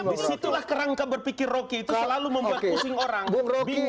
di situlah kerangka berpikir rocky itu selalu membuat pusing orang bingung